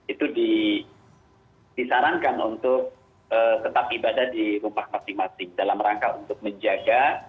itu disarankan untuk tetap ibadah di rumah masing masing dalam rangka untuk menjaga